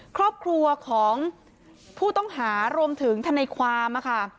ครอบครัวของผู้ต้องหารวมถึงทนายความค่ะ